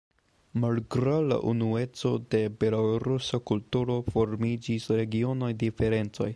Malgraŭ la unueco de la belorusa kulturo formiĝis regionaj diferencoj.